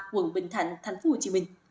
quận bình thạnh tp hcm